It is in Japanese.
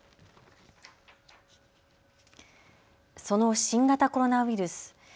その新型コロナウイルス。